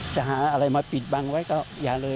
จะหาอะไรมาปิดบังไว้ก็อย่าเลย